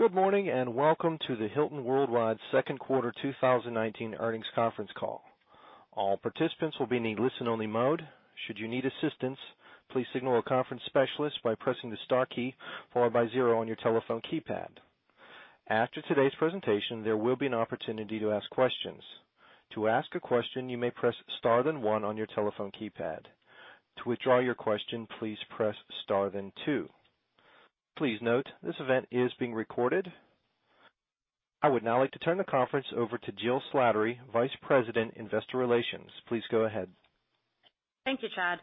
Good morning, welcome to the Hilton Worldwide Second Quarter 2019 Earnings Conference Call. All participants will be in listen-only mode. Should you need assistance, please signal a conference specialist by pressing the star key, followed by zero on your telephone keypad. After today's presentation, there will be an opportunity to ask questions. To ask a question, you may press star, then one on your telephone keypad. To withdraw your question, please press star, then two. Please note, this event is being recorded. I would now like to turn the conference over to Jill Slattery, Vice President, Investor Relations. Please go ahead. Thank you, Chad.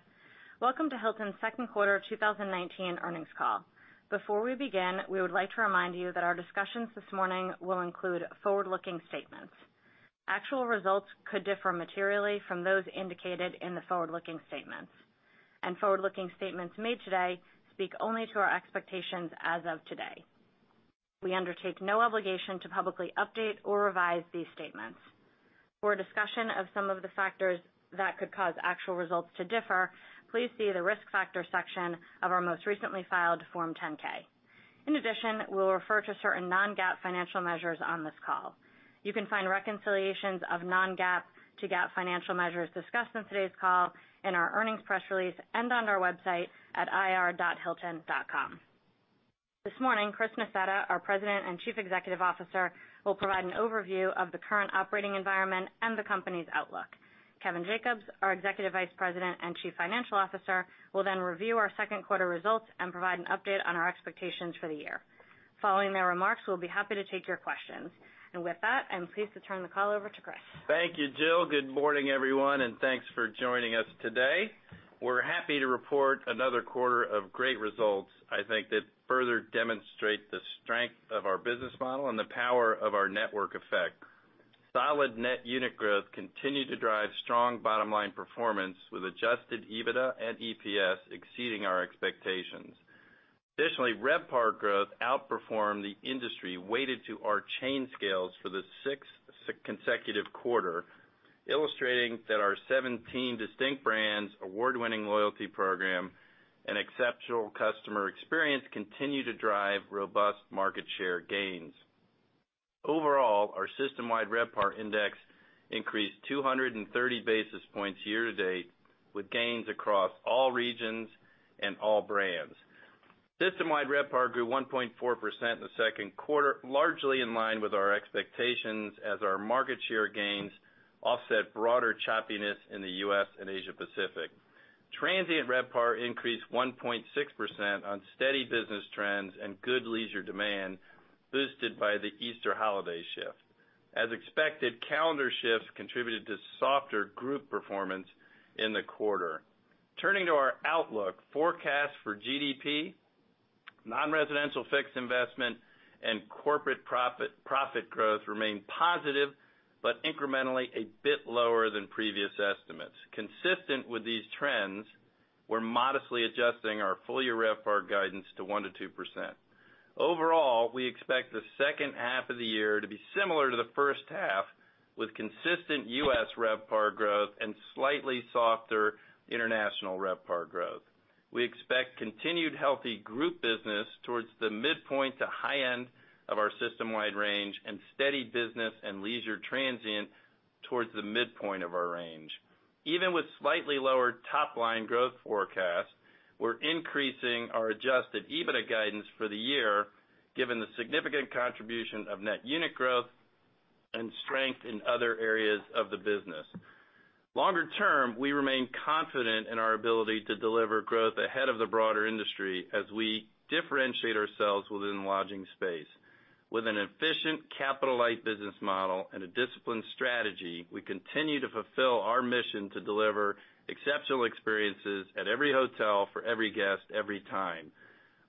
Welcome to Hilton's Second Quarter 2019 Earnings Call. Before we begin, we would like to remind you that our discussions this morning will include forward-looking statements. Actual results could differ materially from those indicated in the forward-looking statements. Forward-looking statements made today speak only to our expectations as of today. We undertake no obligation to publicly update or revise these statements. For a discussion of some of the factors that could cause actual results to differ, please see the Risk Factors section of our most recently filed Form 10-K. In addition, we'll refer to certain non-GAAP financial measures on this call. You can find reconciliations of non-GAAP to GAAP financial measures discussed on today's call in our earnings press release and on our website at ir.hilton.com. This morning, Chris Nassetta, our President and Chief Executive Officer, will provide an overview of the current operating environment and the company's outlook. Kevin Jacobs, our Executive Vice President and Chief Financial Officer, will then review our second quarter results and provide an update on our expectations for the year. Following their remarks, we'll be happy to take your questions. With that, I'm pleased to turn the call over to Chris. Thank you, Jill. Good morning, everyone, and thanks for joining us today. We're happy to report another quarter of great results, I think that further demonstrate the strength of our business model and the power of our network effect. Solid net unit growth continued to drive strong bottom-line performance, with adjusted EBITDA and EPS exceeding our expectations. Additionally, RevPAR growth outperformed the industry weighted to our chain scales for the sixth consecutive quarter, illustrating that our 17 distinct brands, award-winning loyalty program, and exceptional customer experience continue to drive robust market share gains. Overall, our system-wide RevPAR index increased 230 basis points year to date, with gains across all regions and all brands. System-wide RevPAR grew 1.4% in the second quarter, largely in line with our expectations as our market share gains offset broader choppiness in the U.S. and Asia Pacific. Transient RevPAR increased 1.6% on steady business trends and good leisure demand, boosted by the Easter holiday shift. As expected, calendar shifts contributed to softer group performance in the quarter. Turning to our outlook, forecasts for GDP, non-residential fixed investment, and corporate profit growth remain positive but incrementally a bit lower than previous estimates. Consistent with these trends, we're modestly adjusting our full-year RevPAR guidance to 1%-2%. Overall, we expect the second half of the year to be similar to the first half, with consistent U.S. RevPAR growth and slightly softer international RevPAR growth. We expect continued healthy group business towards the midpoint to high end of our system-wide range and steady business and leisure transient towards the midpoint of our range. Even with slightly lower top-line growth forecasts, we're increasing our adjusted EBITDA guidance for the year, given the significant contribution of net unit growth and strength in other areas of the business. Longer term, we remain confident in our ability to deliver growth ahead of the broader industry as we differentiate ourselves within the lodging space. With an efficient capital-light business model and a disciplined strategy, we continue to fulfill our mission to deliver exceptional experiences at every hotel, for every guest, every time.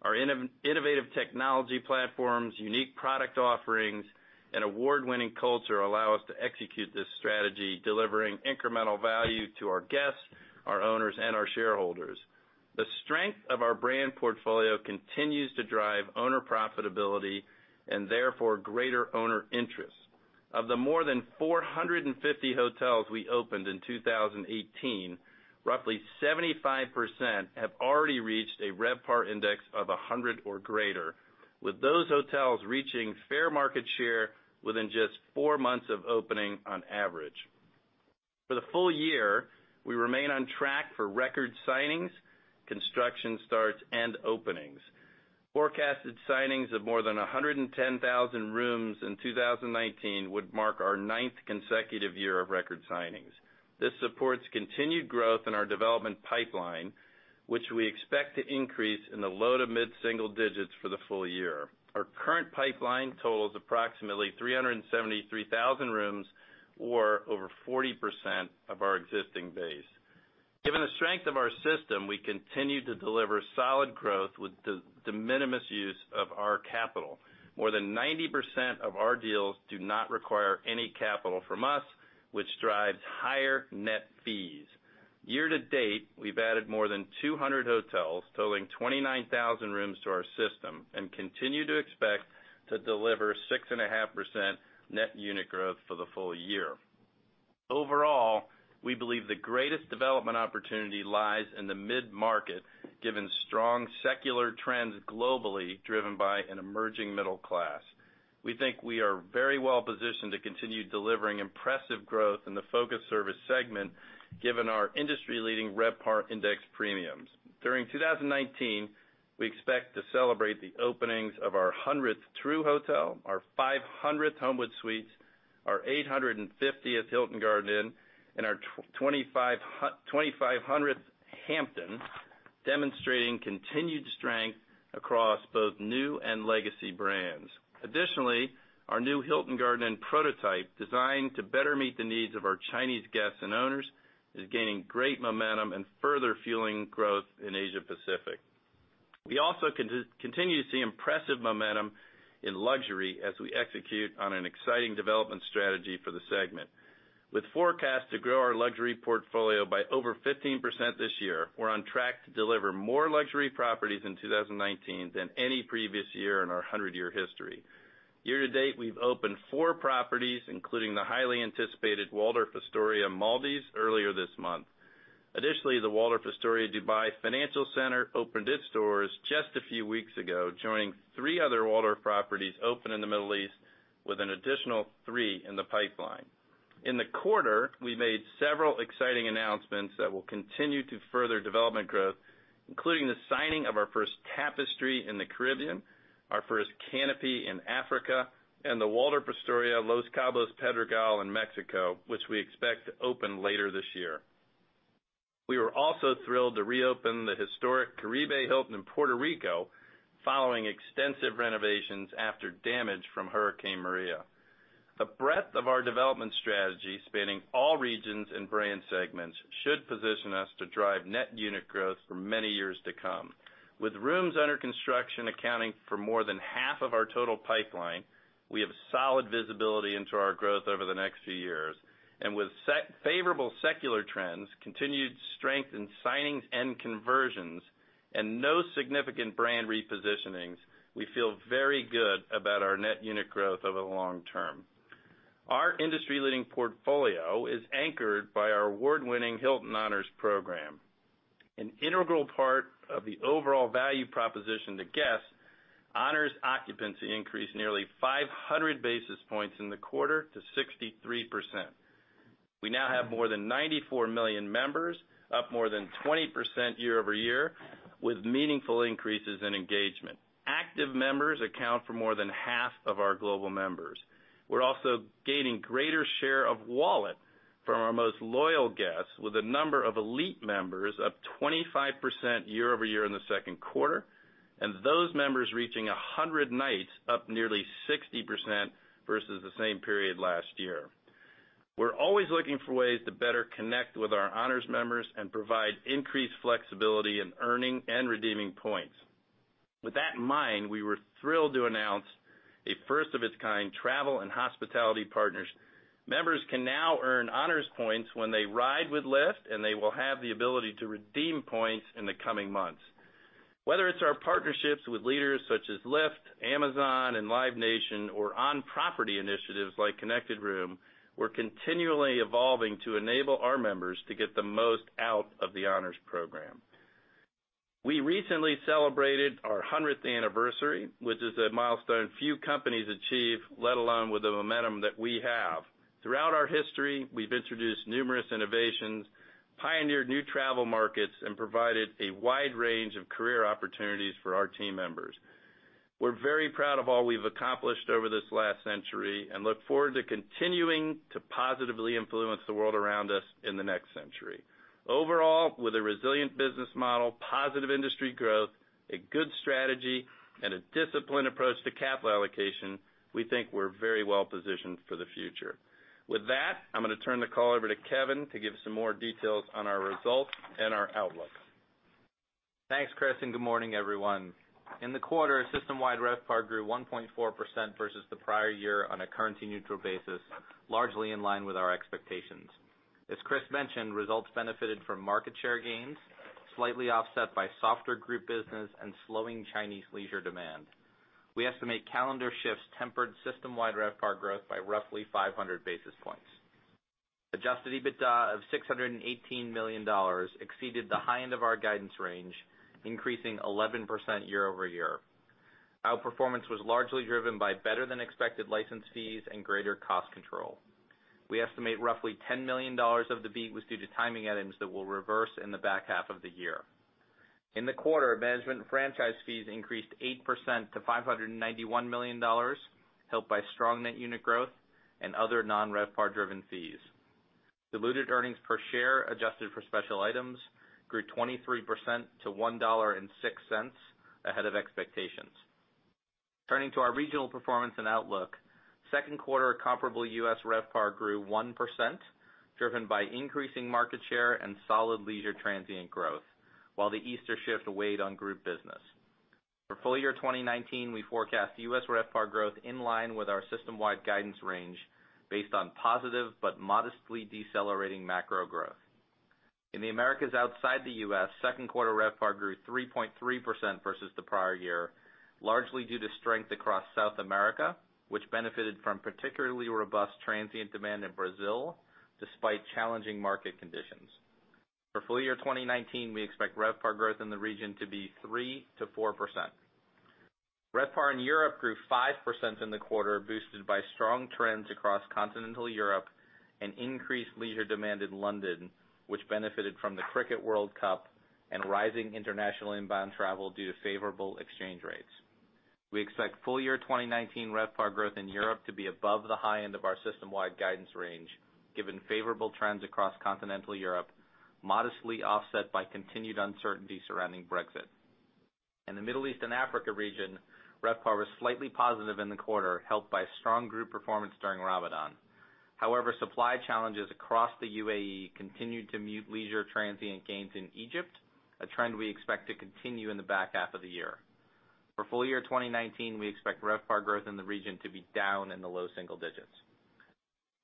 Our innovative technology platforms, unique product offerings, and award-winning culture allow us to execute this strategy, delivering incremental value to our guests, our owners, and our shareholders. The strength of our brand portfolio continues to drive owner profitability and therefore greater owner interest. Of the more than 450 hotels we opened in 2018, roughly 75% have already reached a RevPAR index of 100 or greater, with those hotels reaching fair market share within just four months of opening on average. For the full year, we remain on track for record signings, construction starts, and openings. Forecasted signings of more than 110,000 rooms in 2019 would mark our ninth consecutive year of record signings. This supports continued growth in our development pipeline, which we expect to increase in the low to mid-single digits for the full year. Our current pipeline totals approximately 373,000 rooms or over 40% of our existing base. Given the strength of our system, we continue to deliver solid growth with de minimis use of our capital. More than 90% of our deals do not require any capital from us, which drives higher net fees. Year to date, we've added more than 200 hotels, totaling 29,000 rooms to our system, and continue to expect to deliver 6.5% net unit growth for the full year. Overall, we believe the greatest development opportunity lies in the mid-market, given strong secular trends globally, driven by an emerging middle class. We think we are very well positioned to continue delivering impressive growth in the focus service segment, given our industry-leading RevPAR index premiums. During 2019, we expect to celebrate the openings of our 100th Tru hotel, our 500th Homewood Suites, our 850th Hilton Garden Inn, and our 2,500th Hampton, demonstrating continued strength across both new and legacy brands. Additionally, our new Hilton Garden Inn prototype, designed to better meet the needs of our Chinese guests and owners, is gaining great momentum and further fueling growth in Asia Pacific. We also continue to see impressive momentum in luxury as we execute on an exciting development strategy for the segment. With forecasts to grow our luxury portfolio by over 15% this year, we're on track to deliver more luxury properties in 2019 than any previous year in our 100-year history. Year to date, we've opened four properties, including the highly anticipated Waldorf Astoria Maldives earlier this month. Additionally, the Waldorf Astoria Dubai International Financial Centre opened its doors just a few weeks ago, joining three other Waldorf properties open in the Middle East, with an additional three in the pipeline. In the quarter, we made several exciting announcements that will continue to further development growth, including the signing of our first Tapestry in the Caribbean, our first Canopy in Africa, and the Waldorf Astoria Los Cabos Pedregal in Mexico, which we expect to open later this year. We were also thrilled to reopen the historic Caribe Hilton in Puerto Rico following extensive renovations after damage from Hurricane Maria. The breadth of our development strategy, spanning all regions and brand segments, should position us to drive net unit growth for many years to come. With rooms under construction accounting for more than half of our total pipeline, we have solid visibility into our growth over the next few years. With favorable secular trends, continued strength in signings and conversions, and no significant brand repositionings, we feel very good about our net unit growth over the long term. Our industry-leading portfolio is anchored by our award-winning Hilton Honors program. An integral part of the overall value proposition to guests, Honors occupancy increased nearly 500 basis points in the quarter to 63%. We now have more than 94 million members, up more than 20% year-over-year, with meaningful increases in engagement. Active members account for more than half of our global members. We're also gaining greater share of wallet from our most loyal guests, with the number of elite members up 25% year-over-year in the second quarter, and those members reaching 100 nights up nearly 60% versus the same period last year. We're always looking for ways to better connect with our Honors members and provide increased flexibility in earning and redeeming points. With that in mind, we were thrilled to announce a first of its kind travel and hospitality partners. Members can now earn Honors points when they ride with Lyft, and they will have the ability to redeem points in the coming months. Whether it's our partnerships with leaders such as Lyft, Amazon, and Live Nation, or on-property initiatives like Connected Room, we're continually evolving to enable our members to get the most out of the Honors program. We recently celebrated our 100th anniversary, which is a milestone few companies achieve, let alone with the momentum that we have. Throughout our history, we've introduced numerous innovations, pioneered new travel markets, and provided a wide range of career opportunities for our team members. We're very proud of all we've accomplished over this last century and look forward to continuing to positively influence the world around us in the next century. Overall, with a resilient business model, positive industry growth, a good strategy, and a disciplined approach to capital allocation, we think we're very well positioned for the future. With that, I'm going to turn the call over to Kevin to give some more details on our results and our outlook. Thanks, Chris, and good morning, everyone. In the quarter, system-wide RevPAR grew 1.4% versus the prior year on a currency-neutral basis, largely in line with our expectations. As Chris mentioned, results benefited from market share gains, slightly offset by softer group business and slowing Chinese leisure demand. We estimate calendar shifts tempered system-wide RevPAR growth by roughly 500 basis points. Adjusted EBITDA of $618 million exceeded the high end of our guidance range, increasing 11% year-over-year. Outperformance was largely driven by better-than-expected license fees and greater cost control. We estimate roughly $10 million of the beat was due to timing items that will reverse in the back half of the year. In the quarter, management and franchise fees increased 8% to $591 million, helped by strong net unit growth and other non-RevPAR driven fees. Diluted earnings per share adjusted for special items grew 23% to $1.06, ahead of expectations. Turning to our regional performance and outlook, second quarter comparable U.S. RevPAR grew 1%, driven by increasing market share and solid leisure transient growth, while the Easter shift weighed on group business. For full year 2019, we forecast U.S. RevPAR growth in line with our system-wide guidance range based on positive but modestly decelerating macro growth. In the Americas outside the U.S., second quarter RevPAR grew 3.3% versus the prior year, largely due to strength across South America, which benefited from particularly robust transient demand in Brazil despite challenging market conditions. For full year 2019, we expect RevPAR growth in the region to be 3%-4%. RevPAR in Europe grew 5% in the quarter, boosted by strong trends across continental Europe and increased leisure demand in London, which benefited from the Cricket World Cup and rising international inbound travel due to favorable exchange rates. We expect full year 2019 RevPAR growth in Europe to be above the high end of our system-wide guidance range, given favorable trends across continental Europe, modestly offset by continued uncertainty surrounding Brexit. In the Middle East and Africa region, RevPAR was slightly positive in the quarter, helped by strong group performance during Ramadan. Supply challenges across the UAE continued to mute leisure transient gains in Egypt, a trend we expect to continue in the back half of the year. For full year 2019, we expect RevPAR growth in the region to be down in the low single digits.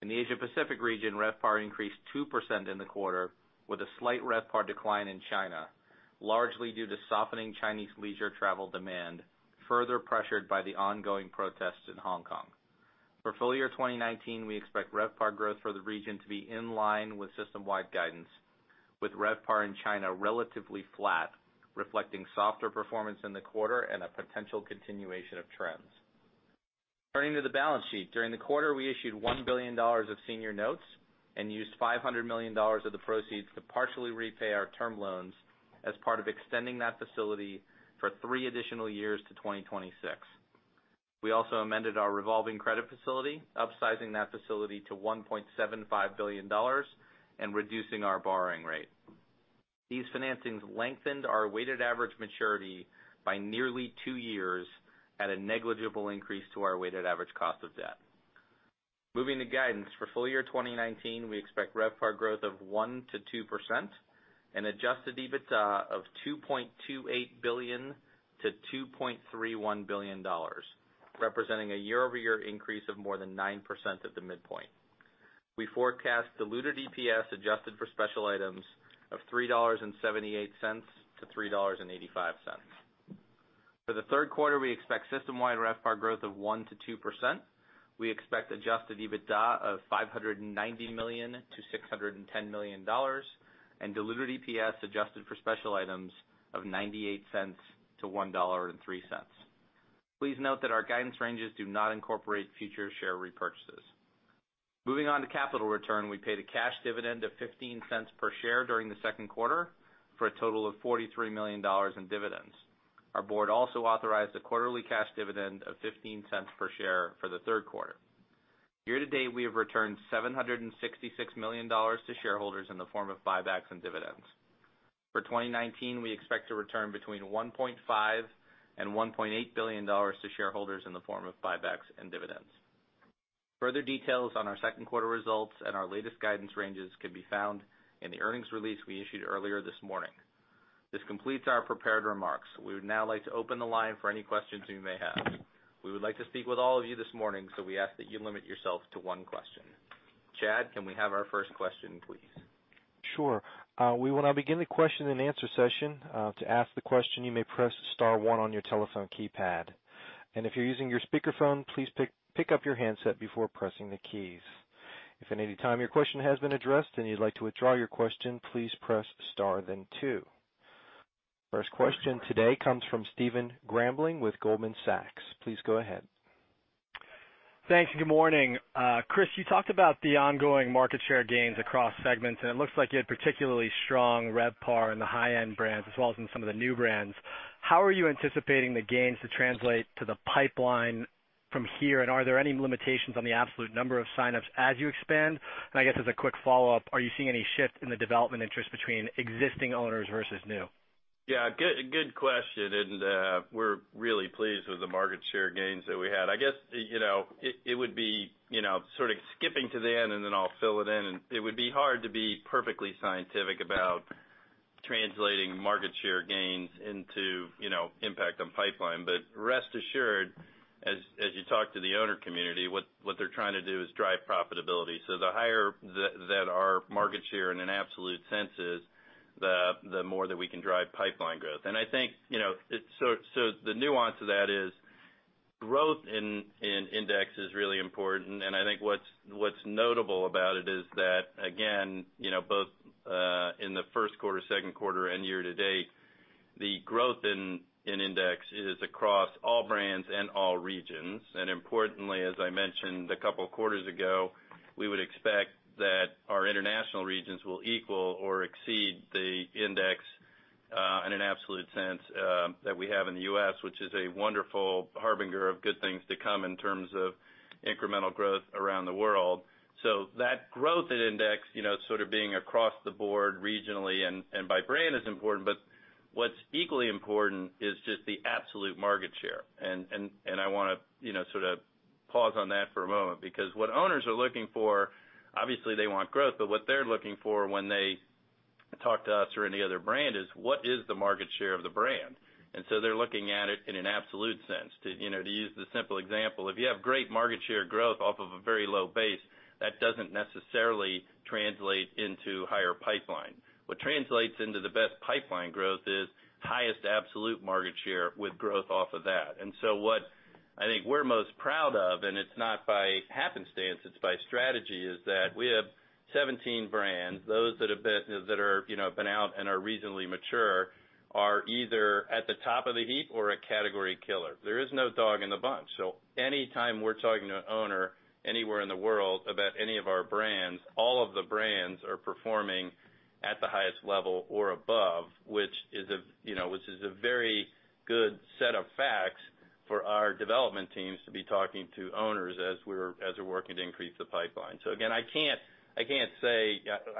In the Asia Pacific region, RevPAR increased 2% in the quarter, with a slight RevPAR decline in China, largely due to softening Chinese leisure travel demand, further pressured by the ongoing protests in Hong Kong. For full year 2019, we expect RevPAR growth for the region to be in line with system-wide guidance, with RevPAR in China relatively flat, reflecting softer performance in the quarter and a potential continuation of trends. Turning to the balance sheet. During the quarter, we issued $1 billion of senior notes and used $500 million of the proceeds to partially repay our term loans as part of extending that facility for three additional years to 2026. We also amended our revolving credit facility, upsizing that facility to $1.75 billion and reducing our borrowing rate. These financings lengthened our weighted average maturity by nearly two years at a negligible increase to our weighted average cost of debt. Moving to guidance. For full year 2019, we expect RevPAR growth of 1%-2% and adjusted EBITDA of $2.28 billion-$2.31 billion, representing a year-over-year increase of more than 9% at the midpoint. We forecast diluted EPS adjusted for special items of $3.78-$3.85. For the third quarter, we expect system-wide RevPAR growth of 1%-2%. We expect adjusted EBITDA of $590 million-$610 million and diluted EPS adjusted for special items of $0.98-$1.03. Please note that our guidance ranges do not incorporate future share repurchases. Moving on to capital return. We paid a cash dividend of $0.15 per share during the second quarter for a total of $43 million in dividends. Our board also authorized a quarterly cash dividend of $0.15 per share for the third quarter. Year to date, we have returned $766 million to shareholders in the form of buybacks and dividends. For 2019, we expect to return between $1.5 billion-$1.8 billion to shareholders in the form of buybacks and dividends. Further details on our second quarter results and our latest guidance ranges can be found in the earnings release we issued earlier this morning. This completes our prepared remarks. We would now like to open the line for any questions you may have. We would like to speak with all of you this morning, so we ask that you limit yourself to one question. Chad, can we have our first question, please? Sure. We will now begin the question-and-answer session. To ask the question, you may press star one on your telephone keypad. If you're using your speakerphone, please pick up your handset before pressing the keys. If at any time your question has been addressed and you'd like to withdraw your question, please press star then two. First question today comes from Stephen Grambling with Goldman Sachs. Please go ahead. Thanks. Good morning. Chris, you talked about the ongoing market share gains across segments, and it looks like you had particularly strong RevPAR in the high-end brands as well as in some of the new brands. How are you anticipating the gains to translate to the pipeline from here, and are there any limitations on the absolute number of sign-ups as you expand? I guess as a quick follow-up, are you seeing any shift in the development interest between existing owners versus new? Good question. We're really pleased with the market share gains that we had. I guess it would be sort of skipping to the end, and then I'll fill it in. It would be hard to be perfectly scientific about translating market share gains into impact on pipeline. Rest assured, as you talk to the owner community, what they're trying to do is drive profitability. The higher that our market share in an absolute sense is, the more that we can drive pipeline growth. The nuance of that is growth in index is really important. I think what's notable about it is that, again, both in the first quarter, second quarter, and year to date, the growth in index is across all brands and all regions. Importantly, as I mentioned a couple of quarters ago, we would expect that our international regions will equal or exceed the index, in an absolute sense, that we have in the U.S., which is a wonderful harbinger of good things to come in terms of incremental growth around the world. That growth at index sort of being across the board regionally and by brand is important, but what's equally important is just the absolute market share. I want to sort of pause on that for a moment, because what owners are looking for, obviously they want growth, but what they're looking for when they talk to us or any other brand is what is the market share of the brand. They're looking at it in an absolute sense. To use the simple example, if you have great market share growth off of a very low base. That doesn't necessarily translate into higher pipeline. What translates into the best pipeline growth is highest absolute market share with growth off of that. What I think we're most proud of, and it's not by happenstance, it's by strategy, is that we have 17 brands. Those that have been out and are reasonably mature are either at the top of the heap or a category killer. There is no dog in the bunch. Anytime we're talking to an owner anywhere in the world about any of our brands, all of the brands are performing at the highest level or above, which is a very good set of facts for our development teams to be talking to owners as we're working to increase the pipeline. Again, I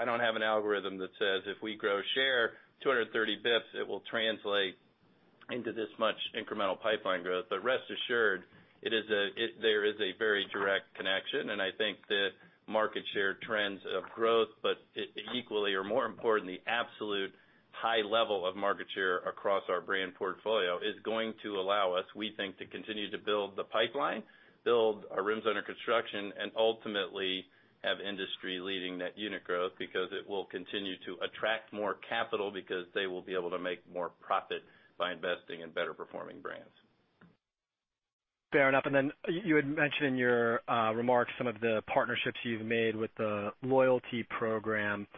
don't have an algorithm that says if we grow share 230 basis points, it will translate into this much incremental pipeline growth. Rest assured, there is a very direct connection, and I think the market share trends of growth, but equally or more important, the absolute high level of market share across our brand portfolio is going to allow us, we think, to continue to build the pipeline, build our rooms under construction, and ultimately have industry-leading net unit growth because it will continue to attract more capital because they will be able to make more profit by investing in better performing brands. Fair enough. Then you had mentioned in your remarks some of the partnerships you've made with the loyalty program.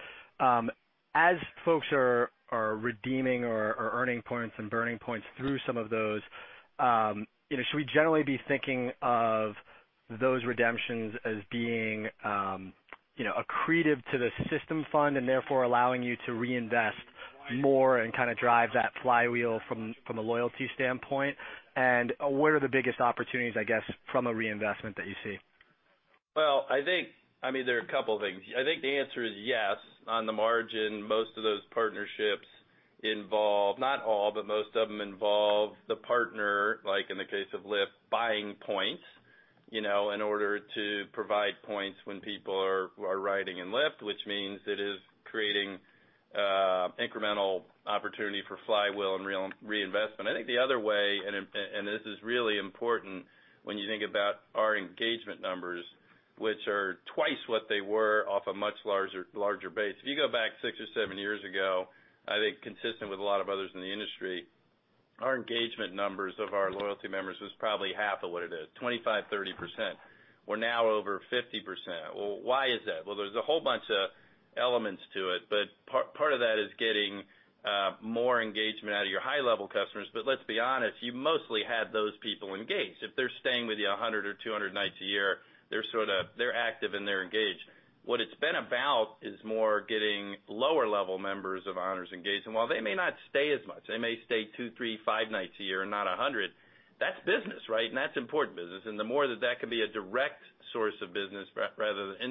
As folks are redeeming or earning points and burning points through some of those, should we generally be thinking of those redemptions as being accretive to the system fund and therefore allowing you to reinvest more and kind of drive that flywheel from a loyalty standpoint? What are the biggest opportunities, I guess, from a reinvestment that you see? Well, there are a couple of things. I think the answer is yes. On the margin, most of those partnerships involve, not all, but most of them involve the partner, like in the case of Lyft, buying points, in order to provide points when people are riding in Lyft, which means it is creating incremental opportunity for flywheel and reinvestment. I think the other way, and this is really important when you think about our engagement numbers, which are twice what they were off a much larger base. If you go back six or seven years ago, I think consistent with a lot of others in the industry, our engagement numbers of our loyalty members was probably half of what it is, 25%, 30%. We're now over 50%. Well, why is that? Well, there's a whole bunch of elements to it, but part of that is getting more engagement out of your high-level customers. Let's be honest, you mostly had those people engaged. If they're staying with you 100 or 200 nights a year, they're active and they're engaged. What it's been about is more getting lower-level members of owners engaged. While they may not stay as much, they may stay two, three, five nights a year and not 100, that's business, right? That's important business. The more that that can be a direct source of business rather than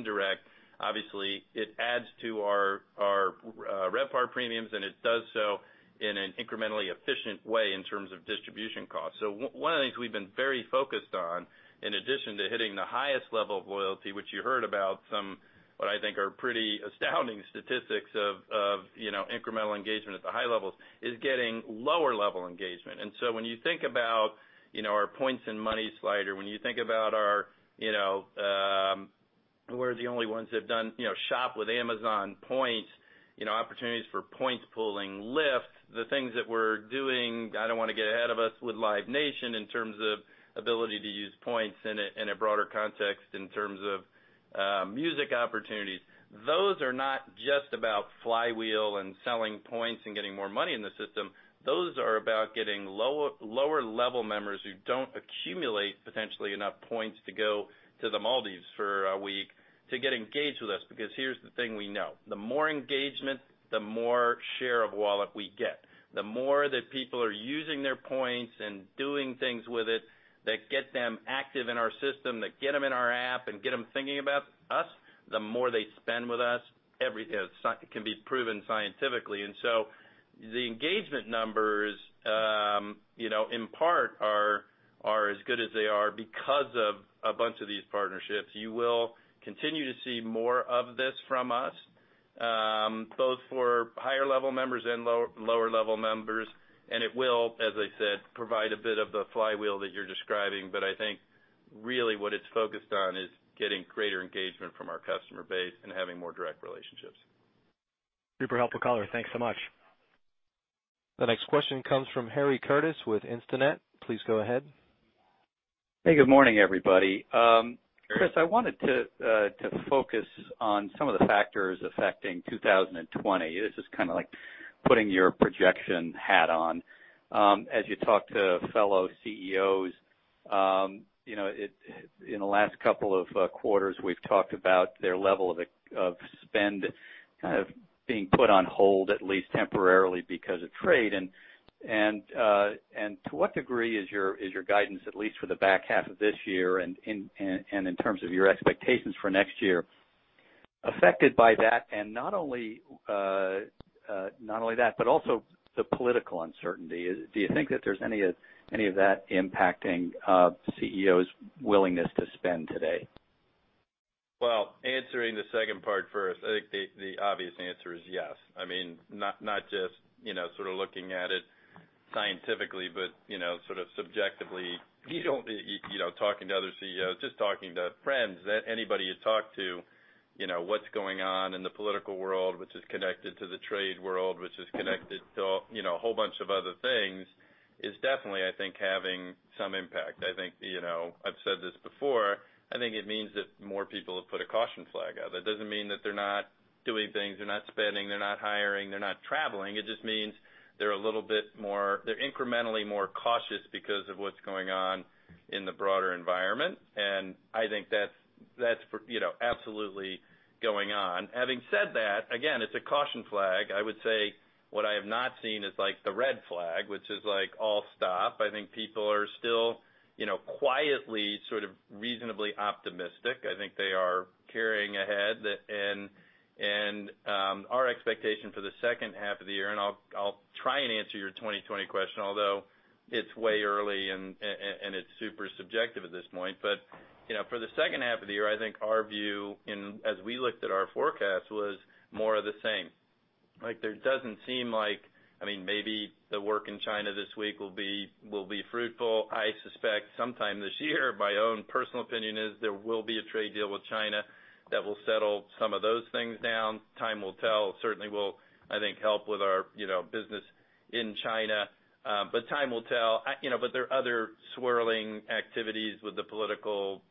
indirect, obviously, it adds to our RevPAR premiums, and it does so in an incrementally efficient way in terms of distribution costs. One of the things we've been very focused on, in addition to hitting the highest level of loyalty, which you heard about some, what I think are pretty astounding statistics of incremental engagement at the high levels, is getting lower-level engagement. When you think about our points and money slider, when you think about We're the only ones that have done shop with Amazon points, opportunities for points pooling, Lyft, the things that we're doing, I don't want to get ahead of us, with Live Nation in terms of ability to use points in a broader context in terms of music opportunities. Those are not just about flywheel and selling points and getting more money in the system. Those are about getting lower-level members who don't accumulate potentially enough points to go to the Maldives for a week to get engaged with us. Because here's the thing we know. The more engagement, the more share of wallet we get. The more that people are using their points and doing things with it that get them active in our system, that get them in our app and get them thinking about us, the more they spend with us. It can be proven scientifically. The engagement numbers, in part, are as good as they are because of a bunch of these partnerships. You will continue to see more of this from us, both for higher-level members and lower-level members, and it will, as I said, provide a bit of the flywheel that you're describing. I think really what it's focused on is getting greater engagement from our customer base and having more direct relationships. Super helpful color. Thanks so much. The next question comes from Harry Curtis with Instinet. Please go ahead. Hey, good morning, everybody. Harry. Chris, I wanted to focus on some of the factors affecting 2020. This is kind of like putting your projection hat on. As you talk to fellow CEOs, in the last couple of quarters, we've talked about their level of spend kind of being put on hold, at least temporarily, because of trade. To what degree is your guidance, at least for the back half of this year and in terms of your expectations for next year, affected by that, and not only that, but also the political uncertainty? Do you think that there's any of that impacting CEOs' willingness to spend today? Well, answering the second part first, I think the obvious answer is yes. Not just sort of looking at it scientifically, but sort of subjectively. You don't- talking to other CEOs, just talking to friends, anybody you talk to, what's going on in the political world, which is connected to the trade world, which is connected to a whole bunch of other things, is definitely, I think, having some impact. I've said this before, I think it means that more people have put a caution flag out. That doesn't mean that they're not doing things, they're not spending, they're not hiring, they're not traveling. It just means they're a little bit more, they're incrementally more cautious because of what's going on in the broader environment. I think that's absolutely going on. Having said that, again, it's a caution flag. I would say what I have not seen is the red flag, which is all stop. I think people are still quietly sort of reasonably optimistic. I think they are carrying ahead. Our expectation for the second half of the year, I'll try and answer your 2020 question, although it's way early and it's super subjective at this point. For the second half of the year, I think our view as we looked at our forecast was more of the same. There doesn't seem like Maybe the work in China this week will be fruitful. I suspect sometime this year, my own personal opinion is there will be a trade deal with China that will settle some of those things down. Time will tell. Certainly will, I think, help with our business in China. Time will tell. There are other swirling activities with the political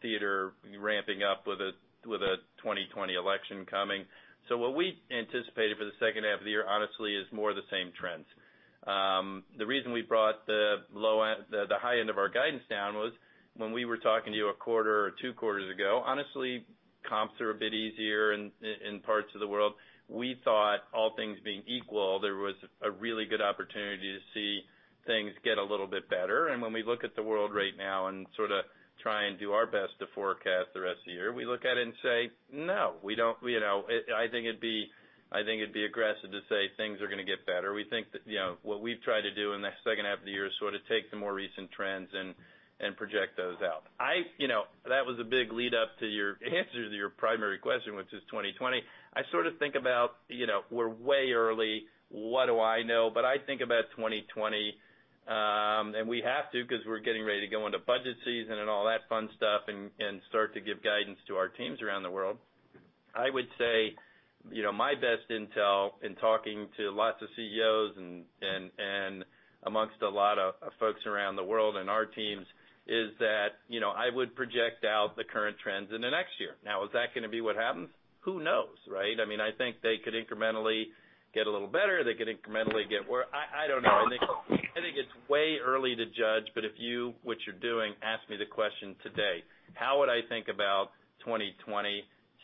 theater ramping up with a 2020 election coming. What we anticipated for the second half of the year, honestly, is more of the same trends. The reason we brought the high end of our guidance down was when we were talking to you a quarter or two quarters ago, honestly, comps are a bit easier in parts of the world. We thought, all things being equal, there was a really good opportunity to see things get a little bit better. When we look at the world right now and sort of try and do our best to forecast the rest of the year, we look at it and say, "No." I think it'd be aggressive to say things are going to get better. What we've tried to do in the second half of the year is sort of take the more recent trends and project those out. That was a big lead-up to your answer to your primary question, which is 2020. I sort of think about, we're way early. What do I know? I think about 2020, and we have to, because we're getting ready to go into budget season and all that fun stuff and start to give guidance to our teams around the world. I would say, my best intel in talking to lots of CEOs and amongst a lot of folks around the world and our teams is that, I would project out the current trends into next year. Now, is that going to be what happens? Who knows, right? I think they could incrementally get a little better. They could incrementally get worse. I don't know. I think it's way early to judge, but if you, which you're doing, ask me the question today. How would I think about 2020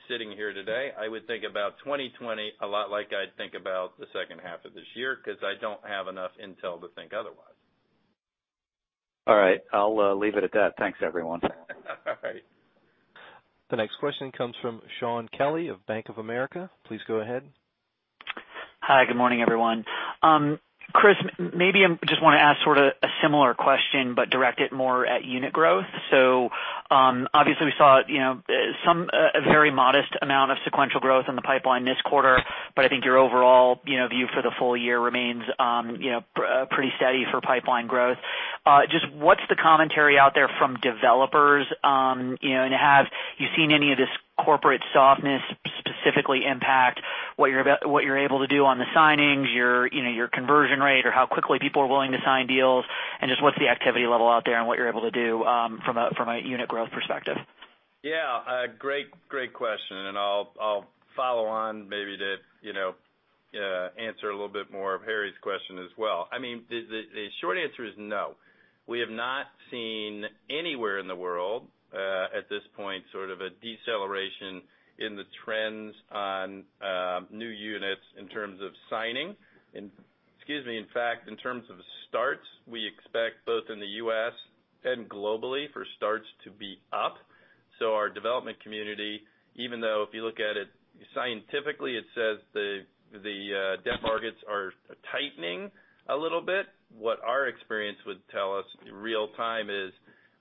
sitting here today? I would think about 2020 a lot like I'd think about the second half of this year, because I don't have enough intel to think otherwise. All right. I'll leave it at that. Thanks, everyone. All right. The next question comes from Shaun Kelley of Bank of America. Please go ahead. Hi, good morning, everyone. Chris, maybe I just want to ask sort of a similar question, direct it more at unit growth. Obviously we saw a very modest amount of sequential growth in the pipeline this quarter, I think your overall view for the full year remains pretty steady for pipeline growth. Just what's the commentary out there from developers? Have you seen any of this corporate softness specifically impact what you're able to do on the signings, your conversion rate, or how quickly people are willing to sign deals? Just what's the activity level out there and what you're able to do from a unit growth perspective? Yeah. Great question, and I'll follow on maybe to answer a little bit more of Harry's question as well. The short answer is no. We have not seen anywhere in the world, at this point, sort of a deceleration in the trends on new units in terms of signing. Excuse me. In fact, in terms of starts, we expect both in the U.S. and globally for starts to be up. Our development community, even though if you look at it scientifically, it says the debt markets are tightening a little bit. What our experience would tell us in real time is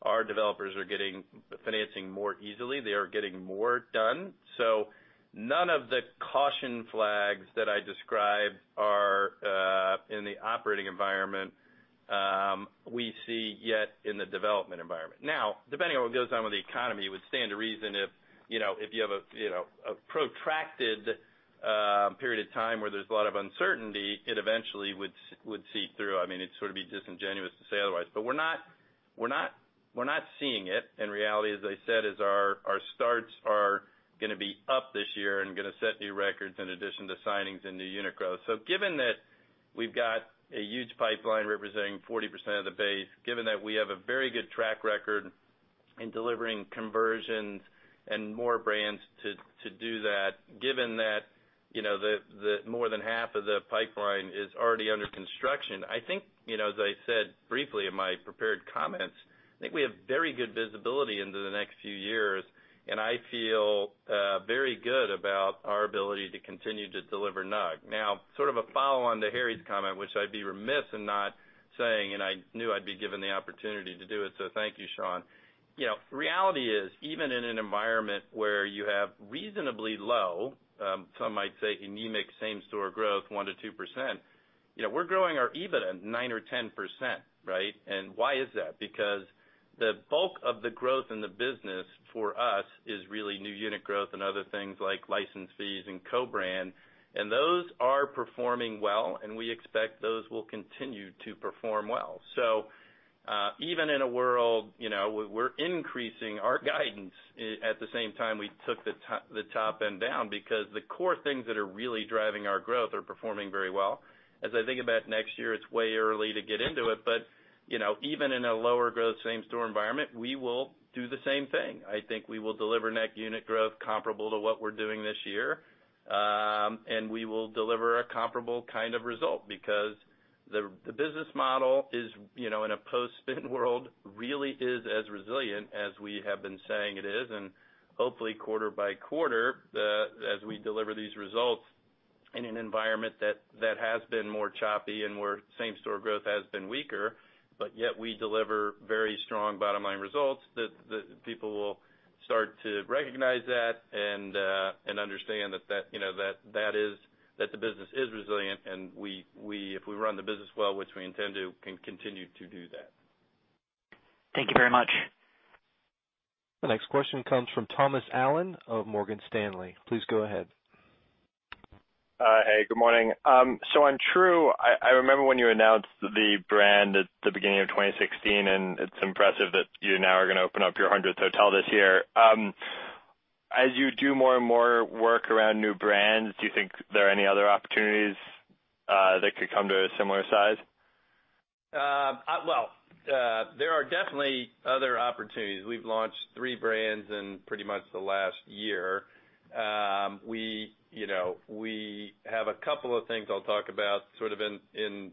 our developers are getting financing more easily. They are getting more done. None of the caution flags that I described are in the operating environment we see yet in the development environment. Depending on what goes on with the economy, it would stand to reason if you have a protracted period of time where there's a lot of uncertainty, it eventually would seep through. It'd sort of be disingenuous to say otherwise. We're not seeing it. In reality, as I said, is our starts are going to be up this year and going to set new records in addition to signings and new unit growth. Given that we've got a huge pipeline representing 40% of the base, given that we have a very good track record in delivering conversions and more brands to do that, given that more than half of the pipeline is already under construction, as I said briefly in my prepared comments, I think we have very good visibility into the next few years, and I feel very good about our ability to continue to deliver NUG. Sort of a follow-on to Harry's comment, which I'd be remiss in not saying, and I knew I'd be given the opportunity to do it, thank you, Shaun. Reality is, even in an environment where you have reasonably low, some might say anemic same store growth, 1%-2%. We're growing our EBITDA 9% or 10%, right? Why is that? The bulk of the growth in the business for us is really new unit growth and other things like license fees and co-brand, and those are performing well, and we expect those will continue to perform well. Even in a world, we're increasing our guidance at the same time we took the top end down, because the core things that are really driving our growth are performing very well. As I think about next year, it's way early to get into it, but even in a lower growth, same-store environment, we will do the same thing. I think we will deliver net unit growth comparable to what we're doing this year. We will deliver a comparable kind of result because the business model in a post-spin world really is as resilient as we have been saying it is, and hopefully quarter by quarter, as we deliver these results in an environment that has been more choppy and where same-store growth has been weaker, but yet we deliver very strong bottom line results that people will start to recognize that and understand that the business is resilient, and if we run the business well, which we intend to, can continue to do that. Thank you very much. The next question comes from Thomas Allen of Morgan Stanley. Please go ahead. Hey, good morning. On Tru, I remember when you announced the brand at the beginning of 2016, and it's impressive that you now are going to open up your 100th hotel this year. As you do more and more work around new brands, do you think there are any other opportunities that could come to a similar size? Well, there are definitely other opportunities. We've launched three brands in pretty much the last year. We have a couple of things I'll talk about sort of in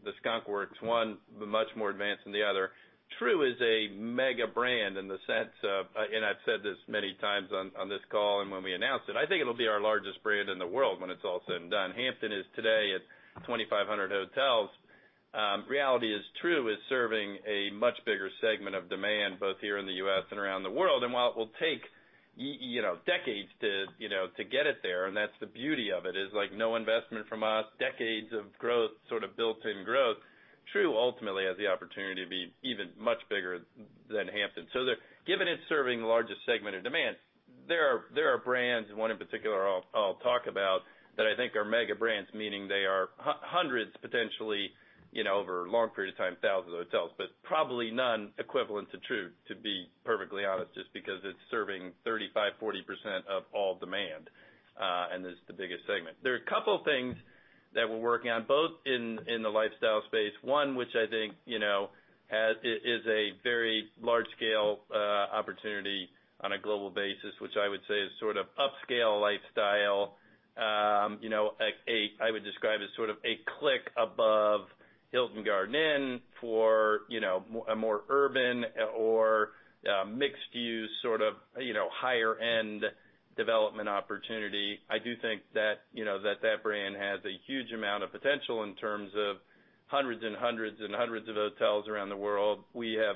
the skunk works. One, much more advanced than the other. Tru is a mega brand in the sense of, and I've said this many times on this call and when we announced it, I think it'll be our largest brand in the world when it's all said and done. Hampton is today at 2,500 hotels. Reality is Tru is serving a much bigger segment of demand, both here in the U.S. and around the world. While it will take decades to get it there, and that's the beauty of it, is like no investment from us, decades of growth, sort of built-in growth. Tru ultimately has the opportunity to be even much bigger than Hampton. Given it's serving the largest segment of demand, there are brands, and one in particular I'll talk about, that I think are mega brands, meaning they are hundreds, potentially over a long period of time, thousands of hotels, but probably none equivalent to Tru, to be perfectly honest, just because it's serving 35%, 40% of all demand and is the biggest segment. There are a couple things that we're working on, both in the lifestyle space. One, which I think is a very large-scale opportunity on a global basis, which I would say is sort of upscale lifestyle. I would describe as sort of a click above Hilton Garden Inn for a more urban or mixed-use, sort of higher end development opportunity. I do think that brand has a huge amount of potential in terms of hundreds and hundreds and hundreds of hotels around the world. We have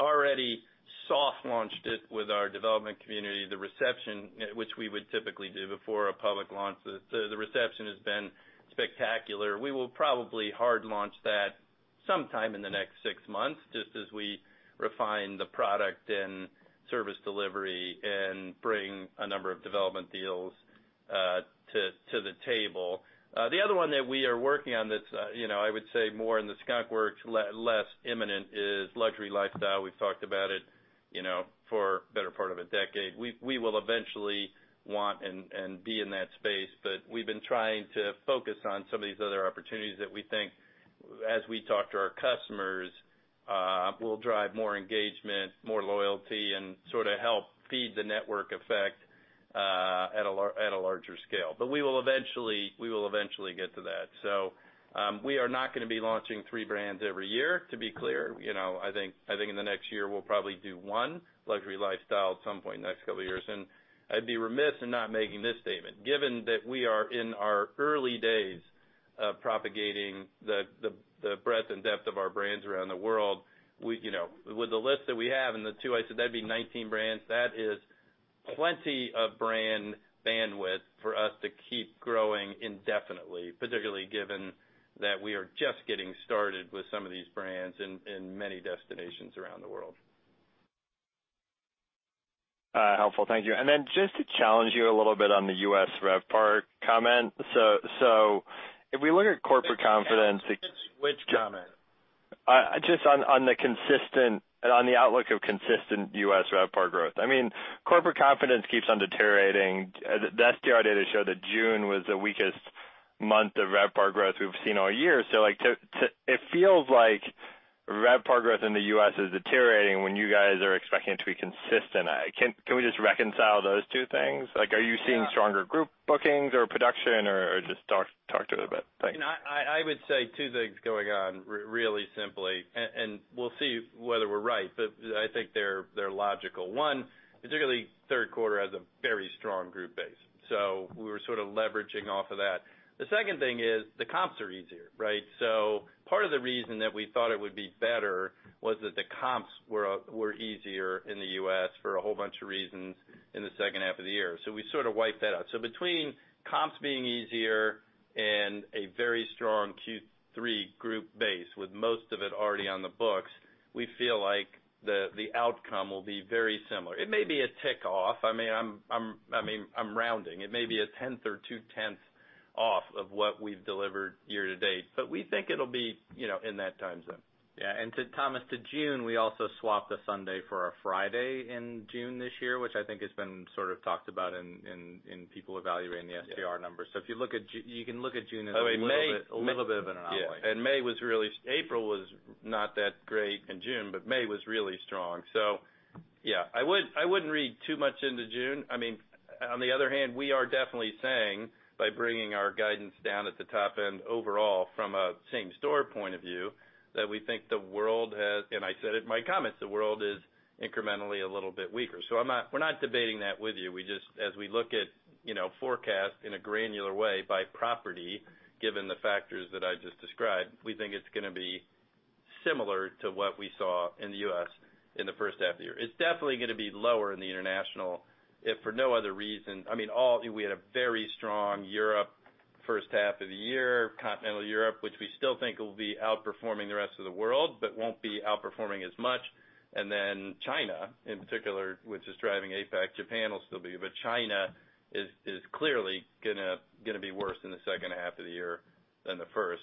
already soft-launched it with our development community, the reception which we would typically do before a public launch. The reception has been spectacular. We will probably hard launch that sometime in the next six months, just as we refine the product and service delivery and bring a number of development deals to the table. The other one that we are working on that's, I would say more in the skunk works, less imminent, is luxury lifestyle. We've talked about it for the better part of a decade. We will eventually want and be in that space. We've been trying to focus on some of these other opportunities that we think as we talk to our customers, will drive more engagement, more loyalty, and sort of help feed the network effect at a larger scale. We will eventually get to that. We are not going to be launching three brands every year, to be clear. I think in the next year, we'll probably do one luxury lifestyle at some point in the next couple of years. I'd be remiss in not making this statement. Given that we are in our early days of propagating the breadth and depth of our brands around the world, with the list that we have and the two I said, that'd be 19 brands. That is plenty of brand bandwidth for us to keep growing indefinitely, particularly given that we are just getting started with some of these brands in many destinations around the world. Helpful. Thank you. Just to challenge you a little bit on the U.S. RevPAR comment. If we look at corporate confidence. Which comment? Just on the outlook of consistent U.S. RevPAR growth. Corporate confidence keeps on deteriorating. The STR data show that June was the weakest month of RevPAR growth we've seen all year. It feels like RevPAR growth in the U.S. is deteriorating when you guys are expecting it to be consistent. Can we just reconcile those two things? Are you seeing stronger group bookings or production or just talk to it a bit. Thanks. I would say two things going on really simply, and we'll see whether we're right, but I think they're logical. One, particularly third quarter has a very strong group base, so we were sort of leveraging off of that. The second thing is the comps are easier, right? Part of the reason that we thought it would be better was that the comps were easier in the U.S. for a whole bunch of reasons in the second half of the year. We sort of wiped that out. Between comps being easier and a very strong Q3 group base, with most of it already on the books, we feel like the outcome will be very similar. It may be a tick off. I'm rounding. It may be 1/10 or 2/10 off of what we've delivered year-to-date, but we think it'll be in that time zone. Thomas, to June, we also swapped a Sunday for a Friday in June this year, which I think has been sort of talked about in people evaluating the STR numbers. You can look at June as a little bit of an anomaly. Yeah. April was not that great in June, but May was really strong. Yeah, I wouldn't read too much into June. On the other hand, we are definitely saying, by bringing our guidance down at the top end overall from a same store point of view, that we think the world has, and I said it in my comments, the world is incrementally a little bit weaker. We're not debating that with you. As we look at forecasts in a granular way by property, given the factors that I just described, we think it's going to be similar to what we saw in the U.S. in the first half of the year. It's definitely going to be lower in the international, if for no other reason. We had a very strong Europe first half of the year, Continental Europe, which we still think will be outperforming the rest of the world, but won't be outperforming as much. China in particular, which is driving APAC. Japan will still be, but China is clearly going to be worse in the second half of the year than the first.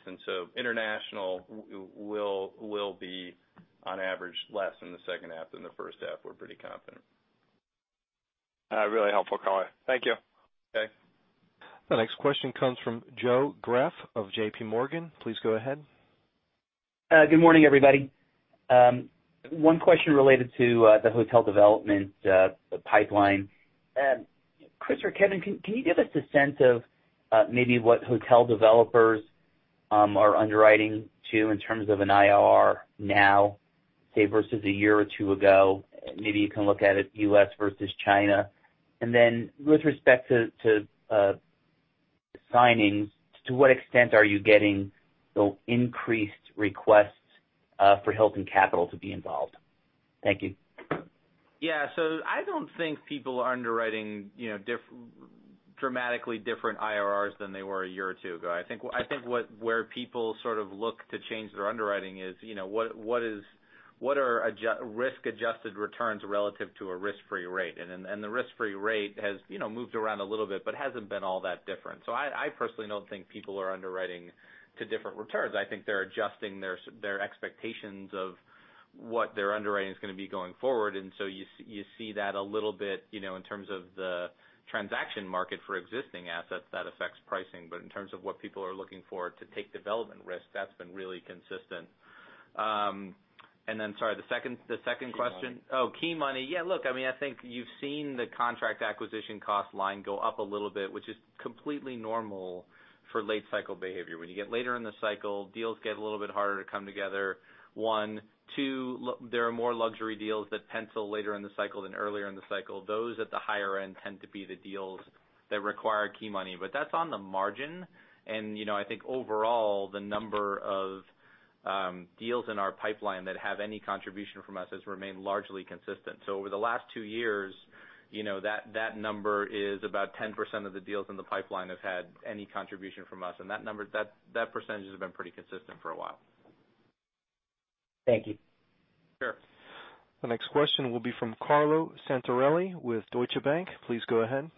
International will be on average less in the second half than the first half, we're pretty confident. Really helpful, Kevin. Thank you. Okay. The next question comes from Joe Greff of JPMorgan. Please go ahead. Good morning, everybody. One question related to the hotel development pipeline. Chris or Kevin, can you give us a sense of maybe what hotel developers are underwriting to in terms of an IRR now, say, versus a year or two ago? Maybe you can look at it U.S. versus China. With respect to signings, to what extent are you getting the increased requests for Hilton Capital to be involved? Thank you. I don't think people are underwriting dramatically different IRRs than they were a year or two ago. I think where people sort of look to change their underwriting is what are risk-adjusted returns relative to a risk-free rate? The risk-free rate has moved around a little bit, but hasn't been all that different. I personally don't think people are underwriting to different returns. I think they're adjusting their expectations of what their underwriting is going to be going forward. You see that a little bit, in terms of the transaction market for existing assets, that affects pricing. In terms of what people are looking for to take development risks, that's been really consistent. Sorry, the second question? Key money. Yeah, look, I think you've seen the contract acquisition cost line go up a little bit, which is completely normal for late cycle behavior. When you get later in the cycle, deals get a little bit harder to come together, one. Two, there are more luxury deals that pencil later in the cycle than earlier in the cycle. Those at the higher end tend to be the deals that require key money. That's on the margin, and I think overall, the number of deals in our pipeline that have any contribution from us has remained largely consistent. Over the last two years, that number is about 10% of the deals in the pipeline have had any contribution from us, and that percentage has been pretty consistent for a while. Thank you. Sure. The next question will be from Carlo Santarelli with Deutsche Bank. Please go ahead.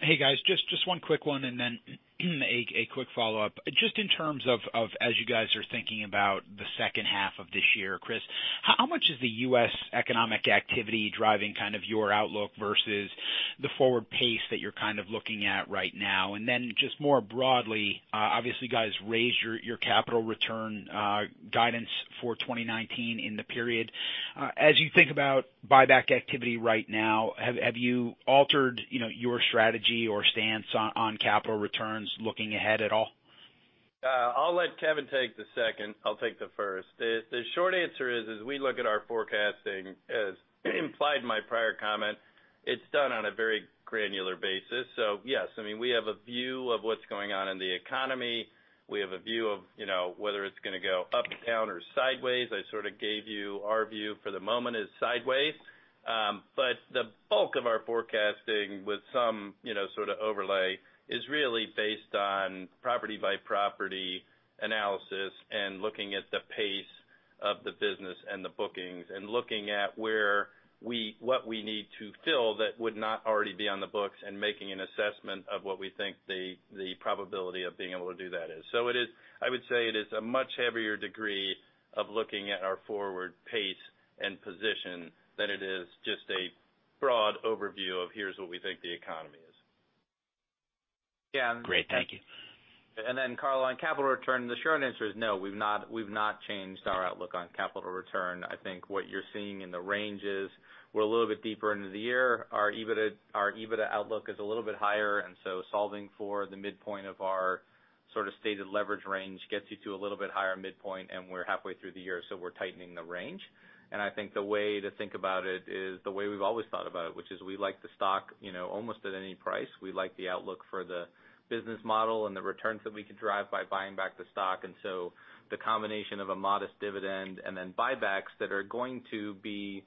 Hey, guys. Just one quick one and then a quick follow-up. Just in terms of as you guys are thinking about the second half of this year, Chris, how much is the U.S. economic activity driving kind of your outlook versus the forward pace that you're kind of looking at right now? Just more broadly, obviously, you guys raised your capital return guidance for 2019 in the period. As you think about buyback activity right now, have you altered your strategy or stance on capital returns looking ahead at all? I'll let Kevin take the second, I'll take the first. The short answer is, as we look at our forecasting, as implied in my prior comment, it's done on a very granular basis. Yes, we have a view of what's going on in the economy. We have a view of whether it's going to go up, down, or sideways. I sort of gave you our view, for the moment is sideways. The bulk of our forecasting with some sort of overlay is really based on property-by-property analysis and looking at the pace of the business and the bookings, and looking at what we need to fill that would not already be on the books, and making an assessment of what we think the probability of being able to do that is. I would say it is a much heavier degree of looking at our forward pace and position than it is just a broad overview of here's what we think the economy is. Great. Thank you. Carlo, on capital return, the short answer is no, we've not changed our outlook on capital return. I think what you're seeing in the range is we're a little bit deeper into the year. Our EBITDA outlook is a little bit higher, and so solving for the midpoint of our sort of stated leverage range gets you to a little bit higher midpoint, and we're halfway through the year, so we're tightening the range. I think the way to think about it is the way we've always thought about it, which is we like the stock almost at any price. We like the outlook for the business model and the returns that we could drive by buying back the stock. The combination of a modest dividend and then buybacks that are going to be,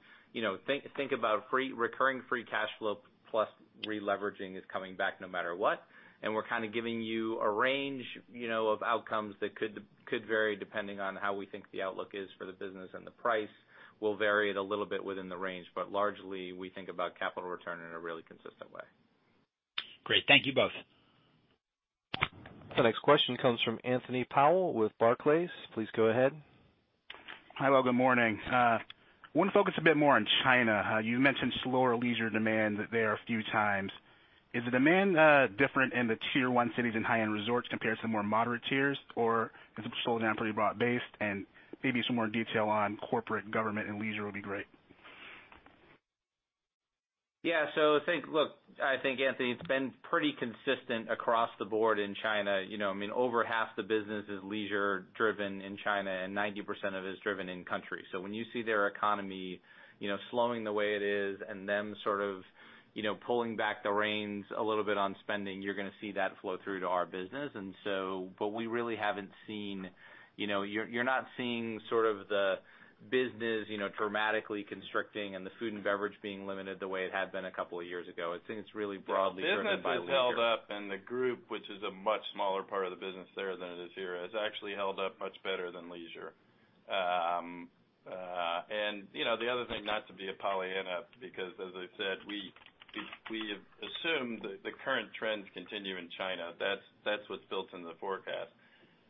think about recurring free cash flow plus releveraging, is coming back no matter what. We're kind of giving you a range of outcomes that could vary depending on how we think the outlook is for the business and the price. We'll vary it a little bit within the range, but largely, we think about capital return in a really consistent way. Great. Thank you both. The next question comes from Anthony Powell with Barclays. Please go ahead. Hi, well, good morning. Wanted to focus a bit more on China. You mentioned slower leisure demand there a few times. Is the demand different in the Tier 1 cities and high-end resorts compared to more moderate tiers? Is it sold down pretty broad-based? Maybe some more detail on corporate government and leisure will be great. Yeah. Look, Anthony, it's been pretty consistent across the board in China. Over half the business is leisure-driven in China, and 90% of it is driven in country. When you see their economy slowing the way it is and them sort of pulling back the reins a little bit on spending, you're going to see that flow through to our business. You're not seeing sort of the business dramatically constricting and the food and beverage being limited the way it had been a couple of years ago. I think it's really broadly driven by leisure. The business has held up and the group, which is a much smaller part of the business there than it is here, has actually held up much better than leisure. The other thing, not to be a Pollyanna, because as I said, we assume the current trends continue in China. That's what's built in the forecast.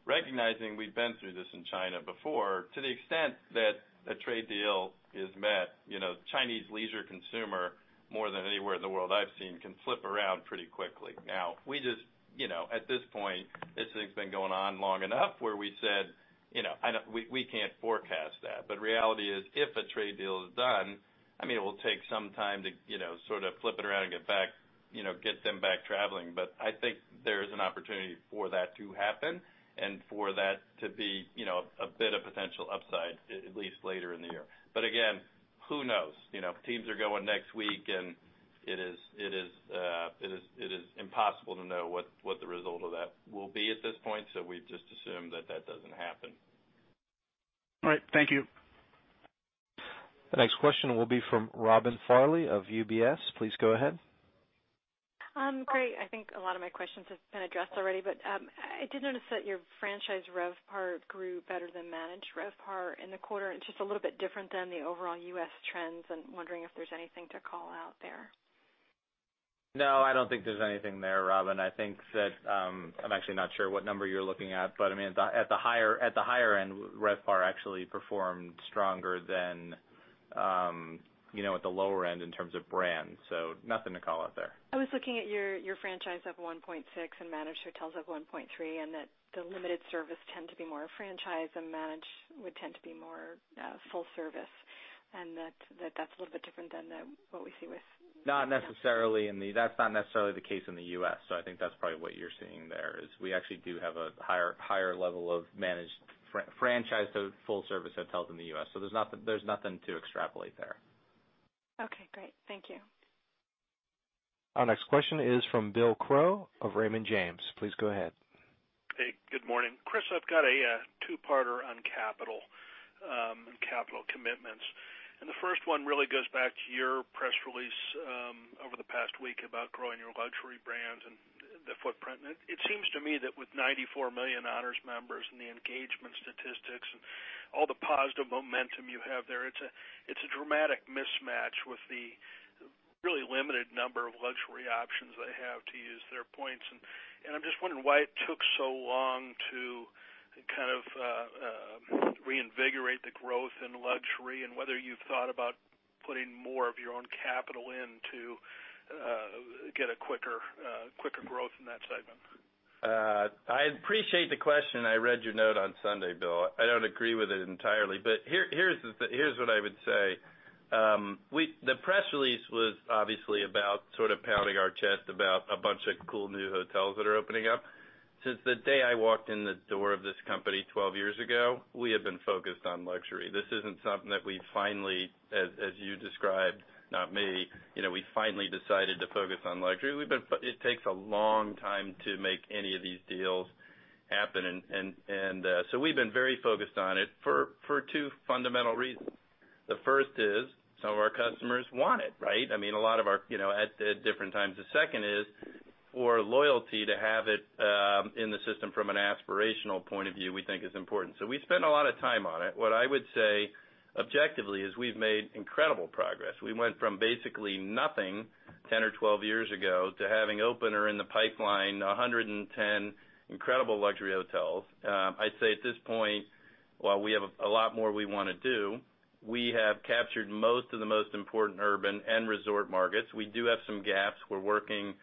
Recognizing we've been through this in China before, to the extent that a trade deal is met, Chinese leisure consumer, more than anywhere in the world I've seen, can flip around pretty quickly. Now, at this point, this thing's been going on long enough where we said we can't forecast that. Reality is, if a trade deal is done, it will take some time to sort of flip it around and get them back traveling. I think there is an opportunity for that to happen and for that to be a bit of potential upside, at least later in the year. Again, who knows? Teams are going next week, and it is impossible to know what the result of that will be at this point. We just assume that that doesn't happen. All right. Thank you. The next question will be from Robin Farley of UBS. Please go ahead. Great. I think a lot of my questions have been addressed already, but I did notice that your franchise RevPAR grew better than managed RevPAR in the quarter. It's just a little bit different than the overall U.S. trends, and I'm wondering if there's anything to call out there. No, I don't think there's anything there, Robin. I'm actually not sure what number you're looking at, but at the higher end, RevPAR actually performed stronger than at the lower end in terms of brands. Nothing to call out there. I was looking at your franchise of 1.6 and managed hotels of 1.3, and that the limited service tend to be more a franchise and manage would tend to be more full service. That's a little bit different than what we see with. That's not necessarily the case in the U.S. I think that's probably what you're seeing there. We actually do have a higher level of managed franchise to full service hotels in the U.S. There's nothing to extrapolate there. Okay, great. Thank you. Our next question is from Bill Crow of Raymond James. Please go ahead. Hey, good morning. Chris, I've got a two-parter on capital commitments. The first one really goes back to your press release over the past week about growing your luxury brands and the footprint. It seems to me that with 94 million Honors members and the engagement statistics and all the positive momentum you have there, it's a dramatic mismatch with the really limited number of luxury options they have to use their points. I'm just wondering why it took so long to kind of reinvigorate the growth in luxury and whether you've thought about putting more of your own capital in to get a quicker growth in that segment. I appreciate the question. I read your note on Sunday, Bill. I don't agree with it entirely. Here's what I would say. The press release was obviously about sort of pounding our chest about a bunch of cool new hotels that are opening up. Since the day I walked in the door of this company 12 years ago, we have been focused on luxury. This isn't something that we finally, as you described, not me, we finally decided to focus on luxury. It takes a long time to make any of these deals happen. We've been very focused on it for two fundamental reasons. The first is some of our customers want it, right? At different times. The second is for Loyalty to have it in the system from an aspirational point of view, we think is important. We spend a lot of time on it. What I would say objectively is we've made incredible progress. We went from basically nothing 10 or 12 years ago to having open or in the pipeline, 110 incredible luxury hotels. I'd say at this point, while we have a lot more we want to do, we have captured most of the most important urban and resort markets. We do have some gaps. We're working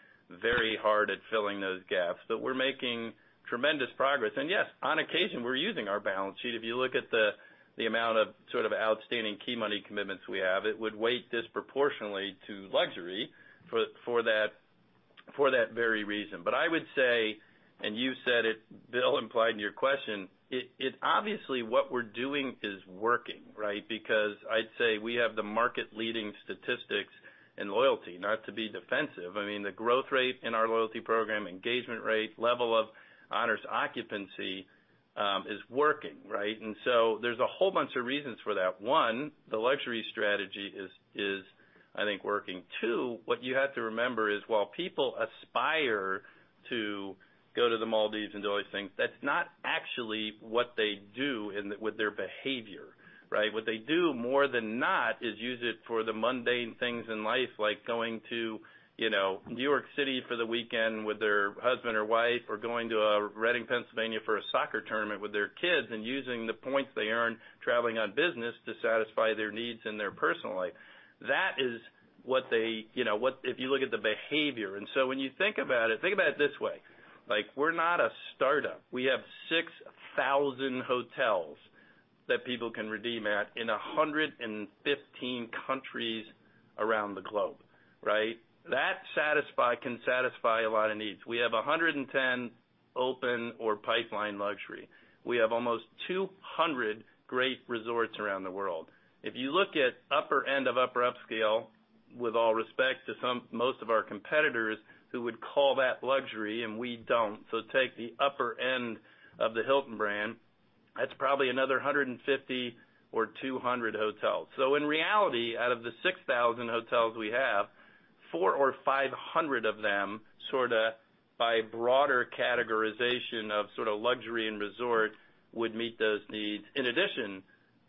very hard at filling those gaps. We're making tremendous progress. Yes, on occasion, we're using our balance sheet. If you look at the amount of sort of outstanding key money commitments we have, it would weight disproportionately to luxury for that very reason. I would say, and you said it, Bill, implied in your question, obviously what we're doing is working, right? Because I'd say we have the market leading statistics in loyalty. Not to be defensive. I mean, the growth rate in our loyalty program, engagement rate, level of Hilton Honors occupancy, is working, right? There's a whole bunch of reasons for that. One, the luxury strategy is, I think, working. Two, what you have to remember is while people aspire to go to the Maldives and do all these things, that's not actually what they do with their behavior, right? What they do more than not is use it for the mundane things in life, like going to New York City for the weekend with their husband or wife, or going to Reading, Pennsylvania for a soccer tournament with their kids and using the points they earn traveling on business to satisfy their needs in their personal life. That is what, if you look at the behavior, when you think about it, think about it this way, we're not a startup. We have 6,000 hotels that people can redeem at in 115 countries around the globe, right? That can satisfy a lot of needs. We have 110 open or pipeline luxury. We have almost 200 great resorts around the world. If you look at upper end of upper upscale, with all respect to most of our competitors who would call that luxury and we don't. Take the upper end of the Hilton brand, that's probably another 150 or 200 hotels. In reality, out of the 6,000 hotels we have, 400 or 500 of them sort of by broader categorization of sort of luxury and resort would meet those needs in addition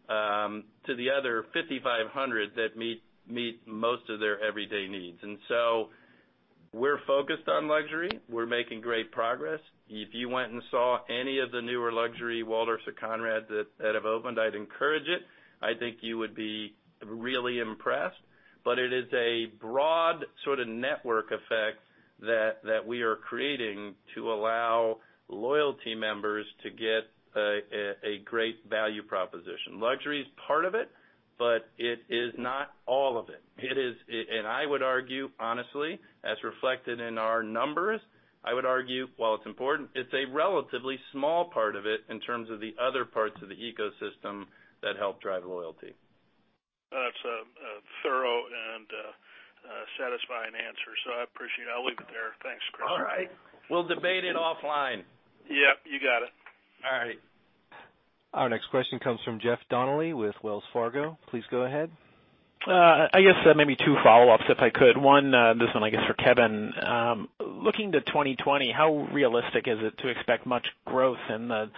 to the other 5,500 that meet most of their everyday needs. We're focused on luxury. We're making great progress. If you went and saw any of the newer luxury Waldorfs or Conrads that have opened, I'd encourage it. I think you would be really impressed. It is a broad sort of network effect that we are creating to allow loyalty members to get a great value proposition. Luxury is part of it, but it is not all of it. I would argue, honestly, as reflected in our numbers, I would argue while it's important, it's a relatively small part of it in terms of the other parts of the ecosystem that help drive loyalty. That's a thorough and satisfying answer, so I appreciate it. I'll leave it there. Thanks, Chris. All right. We'll debate it offline. Yep, you got it. All right. Our next question comes from Jeff Donnelly with Wells Fargo. Please go ahead. I guess maybe two follow-ups, if I could. One, this one, I guess, for Kevin. Looking to 2020, how realistic is it to expect much growth in the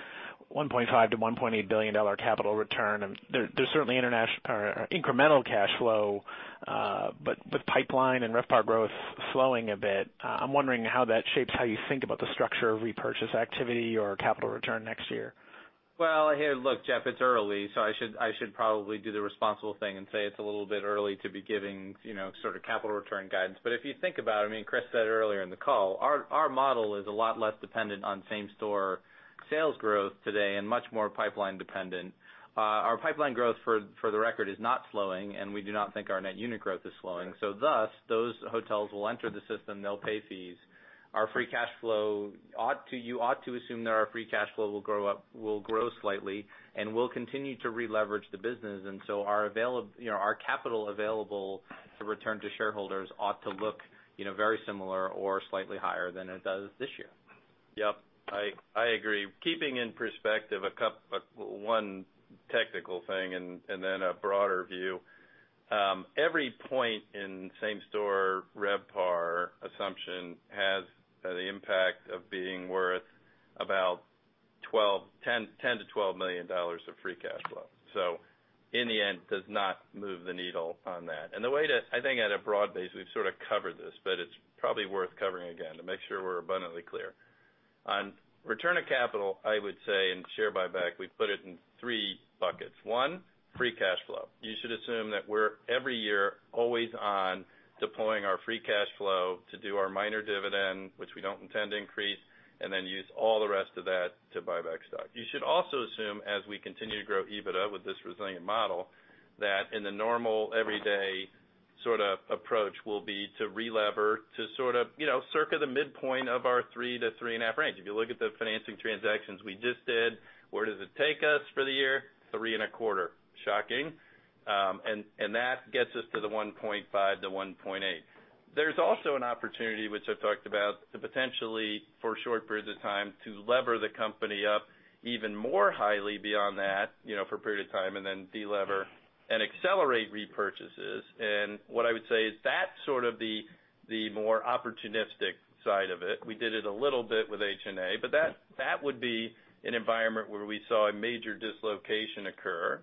$1.5 billion-$1.8 billion capital return? There's certainly incremental cash flow, but with pipeline and RevPAR growth slowing a bit, I'm wondering how that shapes how you think about the structure of repurchase activity or capital return next year. Well, hey, look, Jeff, it's early. I should probably do the responsible thing and say it's a little bit early to be giving sort of capital return guidance. If you think about it, I mean, Chris said earlier in the call, our model is a lot less dependent on same store sales growth today and much more pipeline dependent. Our pipeline growth, for the record, is not slowing, and we do not think our net unit growth is slowing. Thus, those hotels will enter the system. They'll pay fees. You ought to assume that our free cash flow will grow slightly, and we'll continue to releverage the business. Our capital available to return to shareholders ought to look very similar or slightly higher than it does this year. Yep, I agree. Keeping in perspective one technical thing and then a broader view. Every point in same store RevPAR assumption has the impact of being worth about $10 million-$12 million of free cash flow. In the end, does not move the needle on that. I think at a broad base, we've sort of covered this, but it's probably worth covering again to make sure we're abundantly clear. On return of capital, I would say in share buyback, we put it in three buckets. One, free cash flow. You should assume that we're every year always on deploying our free cash flow to do our minor dividend, which we don't intend to increase, and then use all the rest of that to buy back stock. You should also assume, as we continue to grow EBITDA with this resilient model, that in the normal, everyday sort of approach will be to relever to sort of circa the midpoint of our 3 to 3.5 range. If you look at the financing transactions we just did, where does it take us for the year? 3.25. Shocking. That gets us to the $1.5 billion-$1.8 billion. There's also an opportunity, which I've talked about, to potentially for a short period of time, to lever the company up even more highly beyond that for a period of time and then delever and accelerate repurchases. What I would say is that's sort of the more opportunistic side of it. We did it a little bit with H&A, but that would be an environment where we saw a major dislocation occur,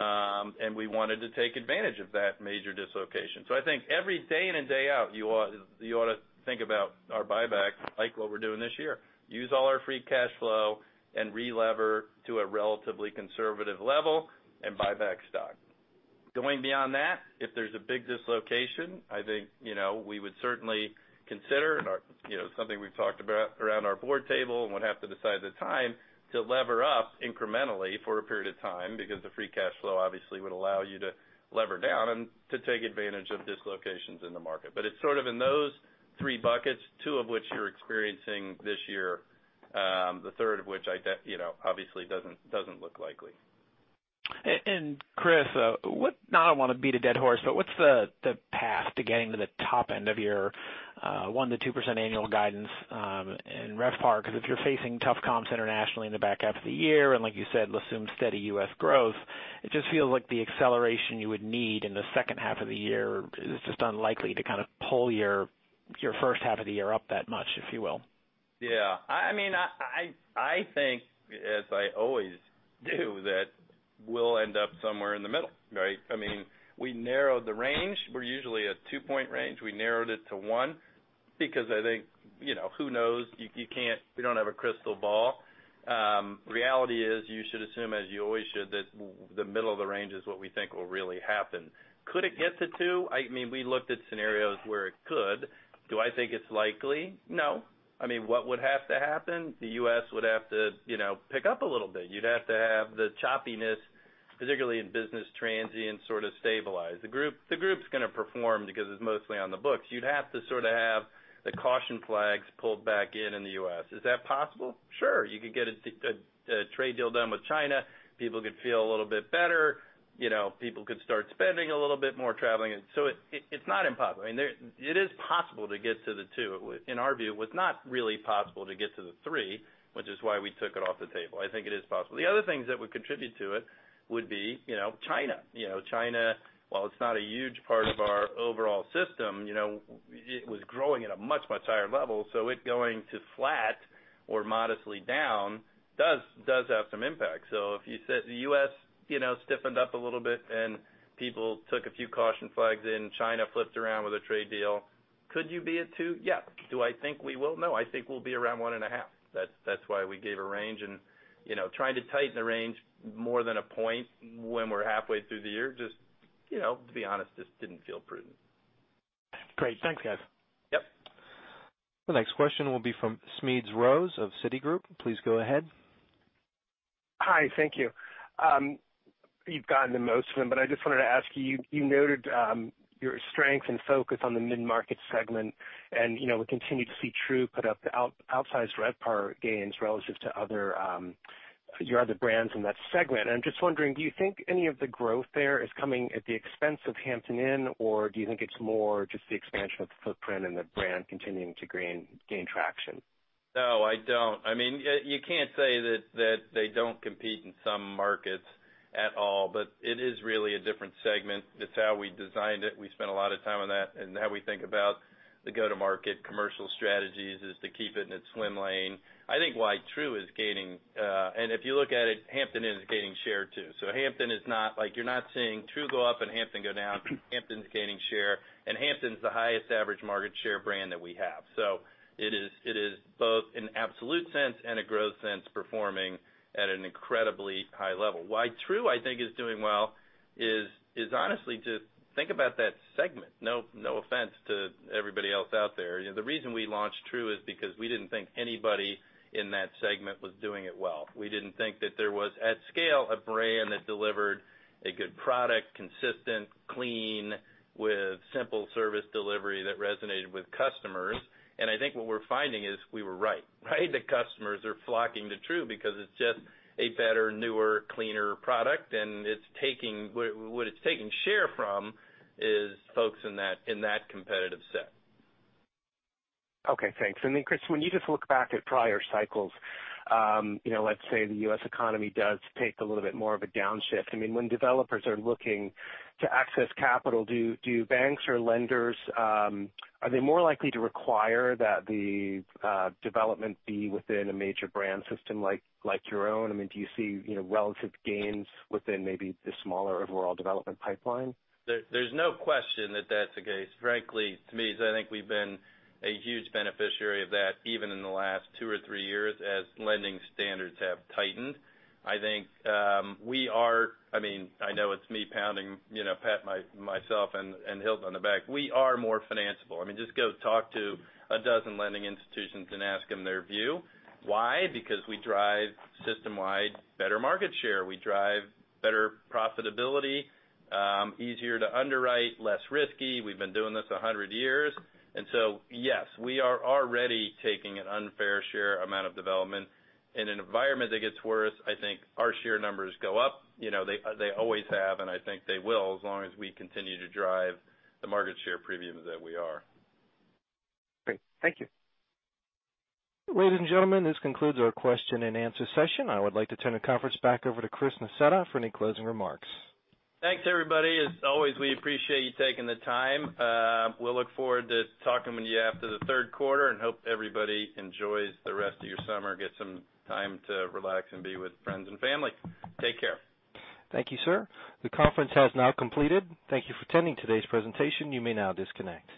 and we wanted to take advantage of that major dislocation. I think every day in and day out, you ought to think about our buyback, like what we're doing this year. Use all our free cash flow and relever to a relatively conservative level and buy back stock. Going beyond that, if there's a big dislocation, I think we would certainly consider something we've talked about around our board table and would have to decide the time to lever up incrementally for a period of time because the free cash flow obviously would allow you to lever down and to take advantage of dislocations in the market. It's sort of in those three buckets, two of which you're experiencing this year, the third of which obviously doesn't look likely. Chris, not I want to beat a dead horse, but what's the path to getting to the top end of your 1%-2% annual guidance in RevPAR? If you're facing tough comps internationally in the back half of the year and like you said, let's assume steady U.S. growth, it just feels like the acceleration you would need in the second half of the year is just unlikely to kind of pull your first half of the year up that much, if you will. Yeah. I think, as I always do, that we'll end up somewhere in the middle, right? We narrowed the range. We're usually a two-point range. We narrowed it to one because I think, who knows? We don't have a crystal ball. Reality is, you should assume, as you always should, that the middle of the range is what we think will really happen. Could it get to two? We looked at scenarios where it could. Do I think it's likely? No. What would have to happen? The U.S. would have to pick up a little bit. You'd have to have the choppiness, particularly in business transient, sort of stabilize. The group's going to perform because it's mostly on the books. You'd have to sort of have the caution flags pulled back in the U.S. Is that possible? Sure. You could get a trade deal done with China, people could feel a little bit better, people could start spending a little bit more, traveling. It's not impossible. It is possible to get to the two. In our view, it was not really possible to get to the three, which is why we took it off the table. I think it is possible. The other things that would contribute to it would be China. China, while it's not a huge part of our overall system, it was growing at a much, much higher level. It going to flat or modestly down does have some impact. If you said the U.S. stiffened up a little bit and people took a few caution flags in, China flipped around with a trade deal, could you be at two? Yeah. Do I think we will? No. I think we'll be around one and a half. Trying to tighten the range more than a point when we're halfway through the year, just to be honest, just didn't feel prudent. Great. Thanks, guys. Yep. The next question will be from Smedes Rose of Citigroup. Please go ahead. Hi. Thank you. You've gotten to most of them, but I just wanted to ask you noted your strength and focus on the mid-market segment, and we continue to see Tru put up outsized RevPAR gains relative to your other brands in that segment. I'm just wondering, do you think any of the growth there is coming at the expense of Hampton Inn, or do you think it's more just the expansion of the footprint and the brand continuing to gain traction? No, I don't. You can't say that they don't compete in some markets at all, but it is really a different segment. That's how we designed it. We spent a lot of time on that, and how we think about the go-to-market commercial strategies is to keep it in its swim lane. I think why Tru is gaining, and if you look at it, Hampton Inn is gaining share, too. Hampton is not. Like you're not seeing Tru go up and Hampton go down. Hampton's gaining share, and Hampton's the highest average market share brand that we have. It is both in absolute sense and a growth sense performing at an incredibly high level. Why Tru, I think, is doing well is honestly just think about that segment. No offense to everybody else out there. The reason we launched Tru is because we didn't think anybody in that segment was doing it well. We didn't think that there was, at scale, a brand that delivered a good product, consistent, clean, with simple service delivery that resonated with customers. I think what we're finding is we were right. The customers are flocking to Tru because it's just a better, newer, cleaner product, and what it's taking share from is folks in that competitive set. Okay, thanks. Chris, when you just look back at prior cycles, let's say the U.S. economy does take a little bit more of a downshift. When developers are looking to access capital, do banks or lenders, are they more likely to require that the development be within a major brand system like your own? Do you see relative gains within maybe the smaller overall development pipeline? There's no question that that's the case. Frankly, to me, is I think we've been a huge beneficiary of that even in the last two or three years as lending standards have tightened. I think we are, I know it's me pounding, pat myself and Hilton on the back. We are more financeable. Just go talk to 12 lending institutions and ask them their view. Why? Because we drive system-wide better market share. We drive better profitability, easier to underwrite, less risky. We've been doing this 100 years. Yes, we are already taking an unfair share amount of development. In an environment that gets worse, I think our share numbers go up. They always have, and I think they will, as long as we continue to drive the market share premium that we are. Great. Thank you. Ladies and gentlemen, this concludes our question and answer session. I would like to turn the conference back over to Chris Nassetta for any closing remarks. Thanks, everybody. As always, we appreciate you taking the time. We'll look forward to talking with you after the third quarter and hope everybody enjoys the rest of your summer, get some time to relax and be with friends and family. Take care. Thank you, sir. The conference has now completed. Thank you for attending today's presentation. You may now disconnect.